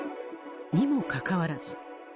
にもかかわらず。